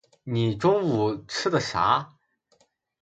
你中午吃的啥啊？